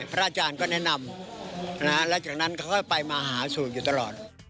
พระอาจารย์ก็แนะนำแล้วจากนั้นค่อยไปมาหาสู่อยู่ตลอด